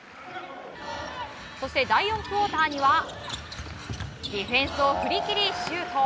そして、第４クオーターにはディフェンスを振り切りシュート。